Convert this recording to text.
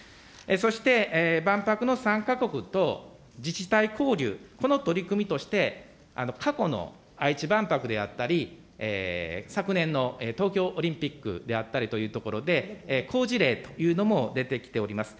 そして、万博の参加国と自治体交流、この取り組みとして、過去の愛知万博であったり、昨年の東京オリンピックであったりというところで、好事例というのも出てきております。